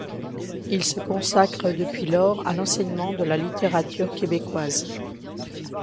Il se consacre depuis lors à l'enseignement de la littérature québécoise.